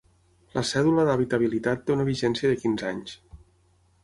La cèdula d'habitabilitat té una vigència de quinze anys.